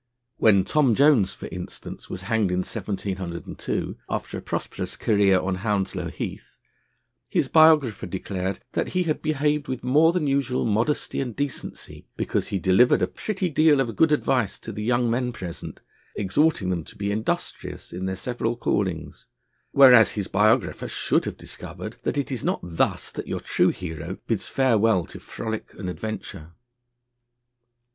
When Tom Jones (for instance) was hanged, in 1702, after a prosperous career on Hounslow Heath, his biographer declared that he behaved with more than usual 'modesty and decency,' because he 'delivered a pretty deal of good advice to the young men present, exhorting them to be industrious in their several callings.' Whereas his biographer should have discovered that it is not thus that your true hero bids farewell to frolic and adventure.